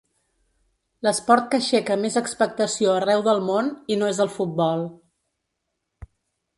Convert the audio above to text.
L'esport que aixeca més expectació arreu del món, i no és el futbol.